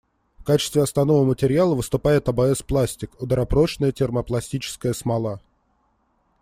В качестве основного материала выступает АБС-пластик — ударопрочная термопластическая смола.